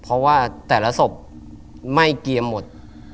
เพราะล่ะใต้แล้วศพไม่เกียร์หมด